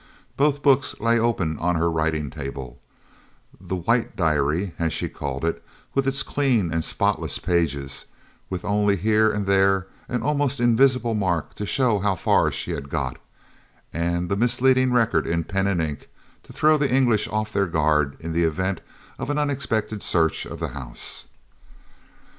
Both books lay open on her writing table the "White Diary," as she called it, with its clean and spotless pages, with only here and there an almost invisible mark to show how far she had got, and the misleading record in pen and ink to throw the English off their guard in the event of an unexpected search of the house.